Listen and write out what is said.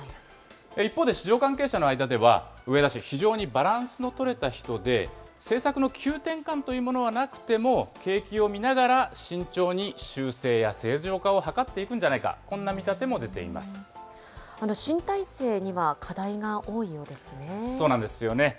一方で市場関係者の間では、植田氏、非常にバランスの取れた人で、政策の急転換というものはなくても、景気を見ながら慎重に修正や正常化を図っていくんじゃないか、こ新体制には課題が多いようでそうなんですよね。